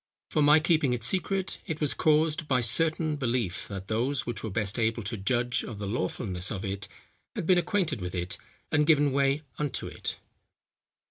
For my keeping it secret, it was caused by certain belief, that those which were best able to judge of the lawfulness of it, had been acquainted with it, and given way unto it."